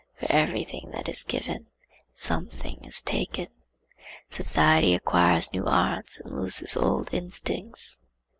For every thing that is given something is taken. Society acquires new arts and loses old instincts.